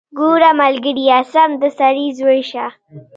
ګوره ملګريه سم د سړي زوى شه.